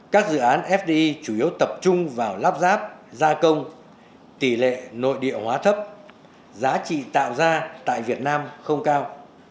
các dự án fdi chủ yếu tập trung vào lắp ráp gia công tỷ lệ nội địa hóa thấp giá trị tạo ra tại việt nam không cao